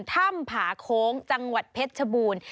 ถ้ำผาโค้งจังหวัดเพชรชบูรณ์